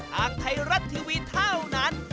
ทางไทยรัฐทีวีเท่านั้น